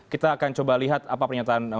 kita akan coba lihat apa pernyataan